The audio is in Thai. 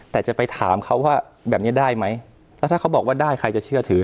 แต่จะไปถามเขาว่าแบบนี้ได้ไหมแล้วถ้าเขาบอกว่าได้ใครจะเชื่อถือ